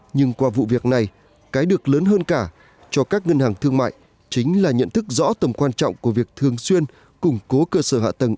nhưng qua vụ việc này cái được lớn hơn cả cho các ngân hàng thương mại chính là nhận thức rõ tầm quan trọng của việc thường xuyên củng cố cơ sở hạ tầng